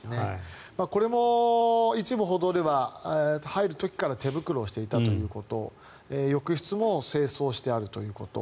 これも一部報道では入る時から手袋をしていたということ浴室も清掃してあるということ。